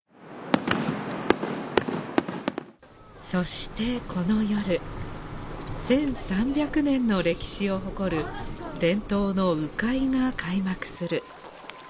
そしてこの夜、１３００年の歴史を誇る伝統の鵜飼が開幕する。